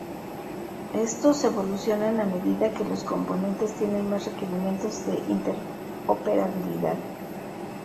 Estos evolucionan a medida que los componentes tienen más requerimientos de interoperabilidad.